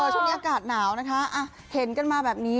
ช่วงนี้อากาศหนาวนะคะเห็นกันมาแบบนี้